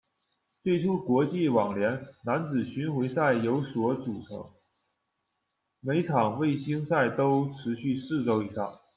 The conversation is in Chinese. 最初国际网联男子巡回赛由所组成，每场卫星赛都持续四周以上。